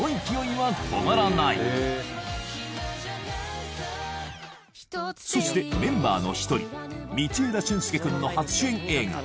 恋は暇じゃないさそしてメンバーの１人道枝駿佑君の初主演映画